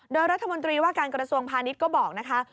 โดยรัฐมนตรีว่าการกระทรวงพาณิชย์ก็บอกนะคะ